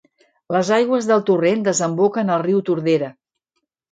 Les aigües del torrent desemboquen al riu Tordera.